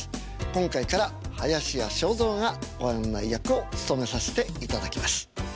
今回から林家正蔵がご案内役を務めさせていただきます。